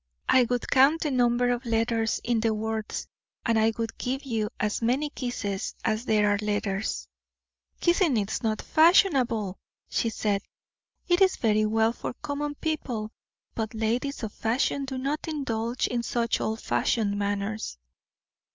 "I would count the number of letters in the words, and would give you as many kisses as there are letters." "Kissing is not fashionable," she said; "it is very well for common people, but ladies of fashion do not indulge in such old fashioned manners."